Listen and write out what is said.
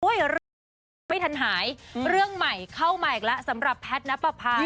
ด้วยเรื่องไม่ทันหายเรื่องใหม่เข้ามาอีกแล้วสำหรับแพทย์นักปรับภาคนะฮะ